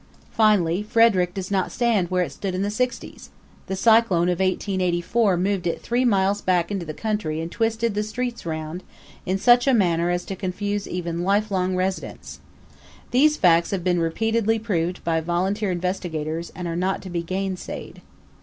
Finally, Frederick does not stand where it stood in the sixties. The cyclone of 1884 moved it three miles back into the country and twisted the streets round in such a manner as to confuse even lifelong residents. These facts have repeatedly been proved by volunteer investigators and are not to be gainsaid.